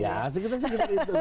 ya kita cek itu lah